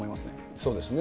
そうですね。